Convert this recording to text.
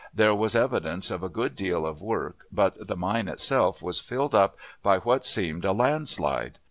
There was evidence of a good deal of work, but the mine itself was filled up by what seemed a land slide.